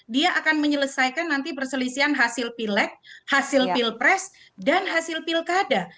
dia akan menyelesaikan nanti perselisihan hasil pilek hasil pilpres dan hasil pilkada